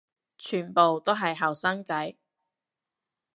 全部都係後生仔